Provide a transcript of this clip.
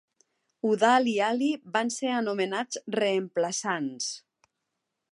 Udal i Ali van ser anomenats reemplaçants.